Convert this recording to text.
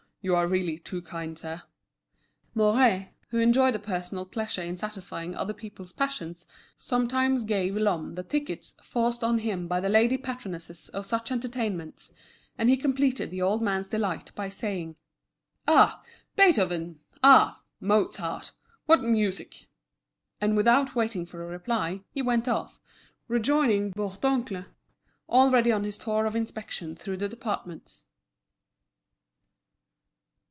"You are really too kind, sir." Mouret, who enjoyed a personal pleasure in satisfying other people's passions, sometimes gave Lhomme the tickets forced on him by the lady patronesses of such entertainments, and he completed the old man's delight by saying: "Ah, Beethoven! ah, Mozart! What music!" And without waiting for a reply, he went off, rejoining Bourdoncle, already on his tour of inspection through the departments.